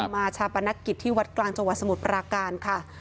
ชาปนกิจที่วัดกลางจังหวัดสมุทรปราการค่ะ